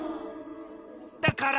だから。